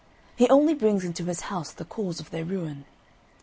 He only brings into his house the cause of their ruin.